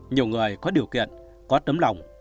nhiều người có điều kiện có tấm lòng